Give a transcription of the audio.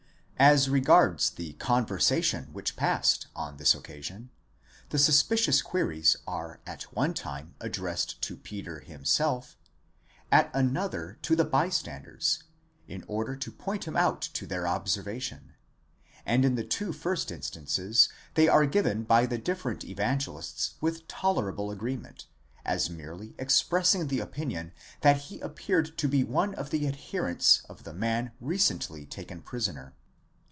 As regards the conversation which passed on this occasion, the suspicious queries are at one time addresgad to Peter himself, at another to the by standers, in order to point him out to their observation, and in the two first instances they are given by the different Evangelists with tolerable agreement, as merely expressing the opinion that he appeared to be one of the adherents of the man recently taken prisoner.